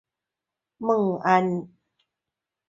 中华轴脉蕨为叉蕨科轴脉蕨属下的一个种。